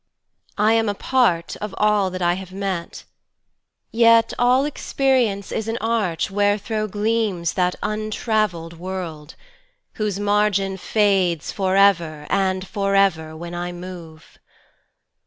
I am a part of all that I have met; Yet all experience is an arch wherethro'Gleams that untravell'd world, whose margin fadesFor ever and for ever when I move.